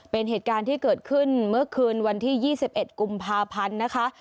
เป็นเหตุการณ์ที่เกิดขึ้นเมื่อคืนวันที่๒๑กุมภาพันธ์นะคะ